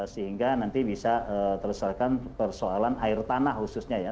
sehingga nanti bisa terselesaikan persoalan air tanah khususnya ya